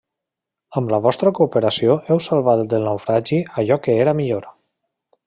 Amb la vostra cooperació heu salvat del naufragi allò que era millor.